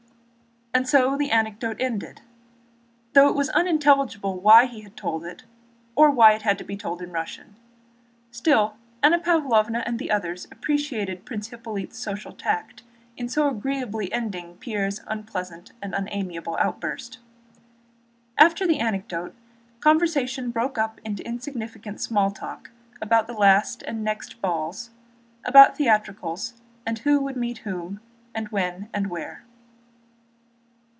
And so the anecdote ended. Though it was unintelligible why he had told it, or why it had to be told in Russian, still Anna Pávlovna and the others appreciated Prince Hippolyte's social tact in so agreeably ending Pierre's unpleasant and unamiable outburst. After the anecdote the conversation broke up into insignificant small talk about the last and next balls, about theatricals, and who would meet whom, and when and where.